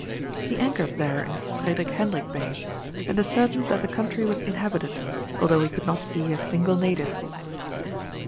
He anchored there in Fredrik Hendrik Bay, and ascertained that the country was inhabited, although he could not see a single native.